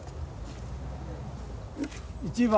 １番。